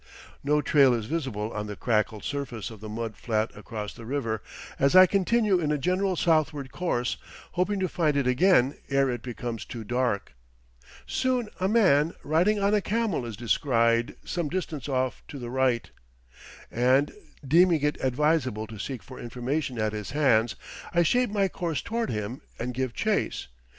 No trail is visible on the crackled surface of the mud flat across the river, as I continue in a general southward course, hoping to find it again ere it becomes too dark Soon a man riding on a camel is descried some distance off to the right, and deeming it advisable to seek for information at his hands, I shape my course toward him and give chase.